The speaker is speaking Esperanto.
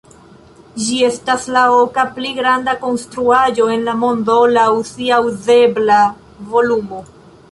Ĝi estas la oka pli granda konstruaĵo en la mondo laŭ sia uzebla volumo.